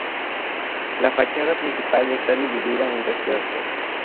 La fachada principal está dividida en dos cuerpos.